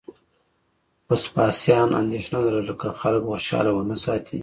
وسپاسیان اندېښنه لرله که خلک خوشاله ونه ساتي